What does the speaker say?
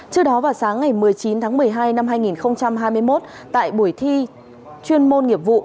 trước đó vào sáng ngày một mươi chín tháng một mươi hai năm hai nghìn hai mươi một tại buổi thi chuyên môn nghiệp vụ